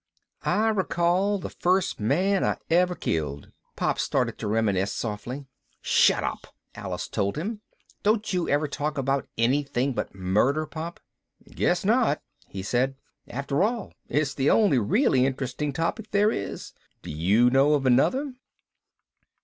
"I recall the first man I ever killed " Pop started to reminisce softly. "Shut up!" Alice told him. "Don't you ever talk about anything but murder, Pop?" "Guess not," he said. "After all, it's the only really interesting topic there is. Do you know of another?"